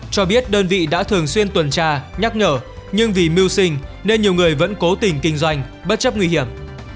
cho biết đơn vị đã thường xuyên tuần tra nhắc nhở nhưng vì mưu sinh nên nhiều người vẫn cố tình kinh doanh bất chấp nguy hiểm